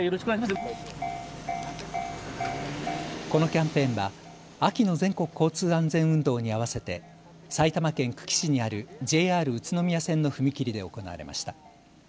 このキャンペーンは秋の全国交通安全運動に合わせて埼玉県久喜市にあるＪＲ宇都宮線の踏切で行われました。